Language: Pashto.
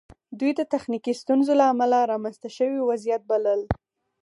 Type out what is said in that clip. دوی د تخنیکي ستونزو له امله رامنځته شوی وضعیت بلل